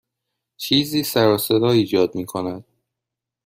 چیزی سر و صدا ایجاد می کند.